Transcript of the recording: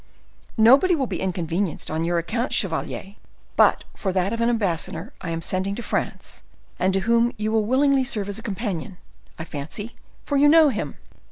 "Nobody will be inconvenienced on your account, chevalier, but for that of an ambassador I am about sending to France, and to whom you will willingly serve as a companion, I fancy, for you know him."